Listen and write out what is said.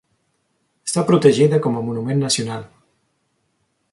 Està protegida com a monument nacional.